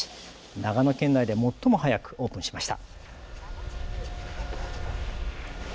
長野県内で最も早くオープンしました。